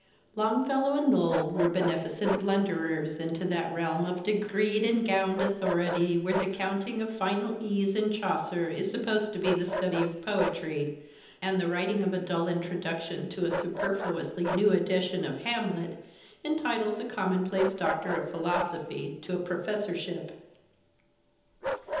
Longfellow and Lowell were beneficent blunderers into that realm of degreed and Digitized by Google LONGFELLOW 101 gowned authority where the counting of final E's in Chaucer r is supposed to be the study of poetry and the writing of a > dull introduction to a superfluously new edition of Hamlet ', entitles a conunonplace doctor of philosophy to a professor ; ship.